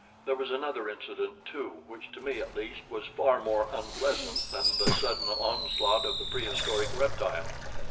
There was another incident, too, which to me at least was far more unpleasant than the sudden onslaught of the prehistoric reptile.